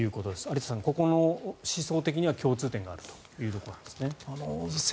有田さん、ここの思想的には共通点があるということなんですね。